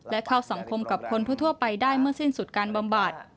และเข้าสังคมกับคนทั่วไปได้เมื่อสิ้นสุดการบำบัด